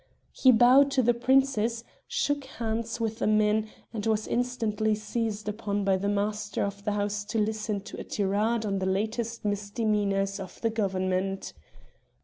He bowed to the princess, shook hands with the men and was instantly seized upon by the master of the house to listen to a tirade on the latest misdemeanors of the government.